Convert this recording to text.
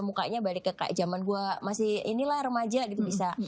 mukanya balik ke zaman gua masih ini lah remaja gitu bisa